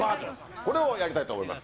これをやりたいと思います。